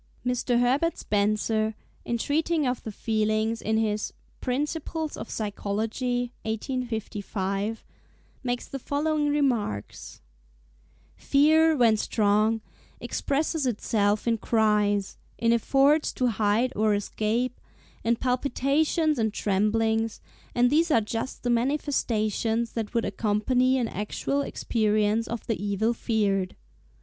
Mr. Herbert Spencer, in treating of the Feelings in his 'Principles of Psychology' (1855), makes the following remarks:—"Fear, when strong, expresses itself in cries, in efforts to hide or escape, in palpitations and tremblings; and these are just the manifestations that would accompany an actual experience of the evil feared.